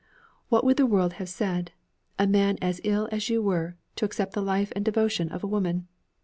What would the world have said a man as ill as you were, to accept the life and devotion of a woman?